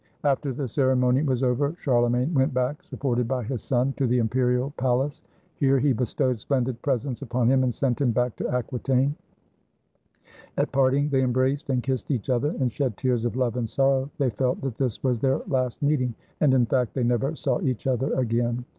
After the ceremony was over, Charlemagne went back, supported by his son, to the imperial palace. Here he bestowed splendid presents upon him and sent him back to Aquitaine. At parting they embraced and kissed each other, and shed tears of love and sorrow. They felt that this was their last meeting; and, in fact, they never saw each other again.